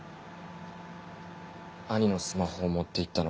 兄のスマホを持って行ったのは。